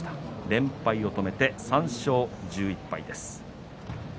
連敗を止めて３勝１１敗です。